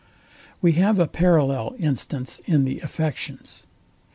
We have a parallel instance in the affections.